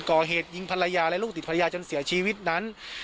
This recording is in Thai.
ก่อเหตุยิงภรรยาและลูกติดภรรยาจนเสียชีวิตนั้น